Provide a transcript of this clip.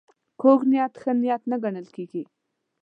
کوږ نیت ښه نیت نه ګڼل کېږي